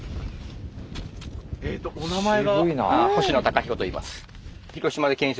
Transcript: えっとお名前が。